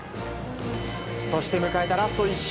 そして迎えたラスト１周。